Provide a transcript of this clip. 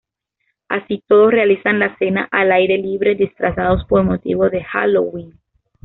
Así, todos realizan la cena al aire libre disfrazados por motivo de Halloween.